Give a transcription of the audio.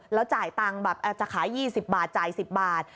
แล้วจ่ายตังค์แบบจะขาย๒๐บาทจ่าย๑๐บาท